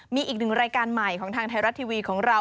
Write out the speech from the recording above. มีอีกหนึ่งรายการใหม่ของทางไทยรัฐทีวีของเรา